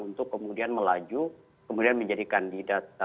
untuk kemudian melaju kemudian menjadi kandidat